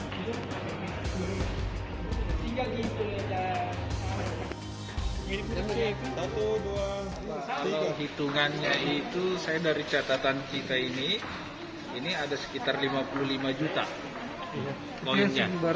kalau hitungannya itu saya dari catatan kita ini ini ada sekitar lima puluh lima juta